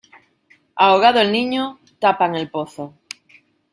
Ahogado el niño, tapan el pozo.